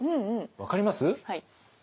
分かります？